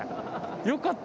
よかった！